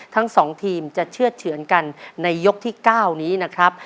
ทั้ง๒ทีมจะเชื่อดเฉือนกันในยกที่๙นี้นะครับ